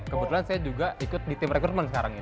kebetulan saya juga ikut di tim rekrutmen sekarang ya